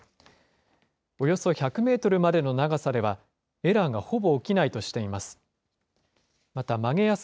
およそ１００メートルまでの長さでは、エラーがほぼ起きないとしています。